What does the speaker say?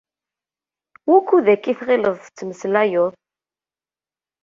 Wukud akka i tɣileḍ tettmeslayeḍ?